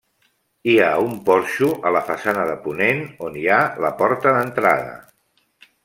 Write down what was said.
Hi ha un porxo a la façana de ponent, on hi ha la porta d'entrada.